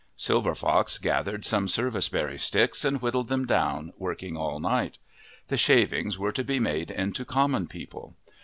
Sil ver Fox gathered some service berry sticks and whittled them down, working all night. The shavings were to be made into common people.